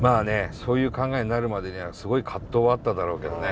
そういう考えになるまでにはすごい葛藤はあっただろうけどね。